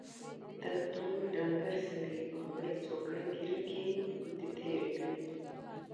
تک تور ډنګر سړي په خپله څوکړه ږيره کې ګوتې تېرې کړې.